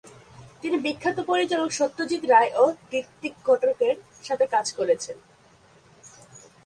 তিনি বিখ্যাত পরিচালক সত্যজিৎ রায় ও ঋত্বিক ঘটকের সাথে কাজ করেছেন।